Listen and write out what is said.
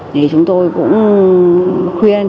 thì chúng tôi cũng khuyên